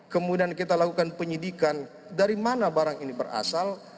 kemudian kita lakukan penyidikan dari mana barang ini berasal